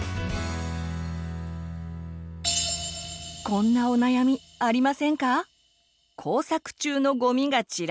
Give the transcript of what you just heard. こんなお悩みありませんか？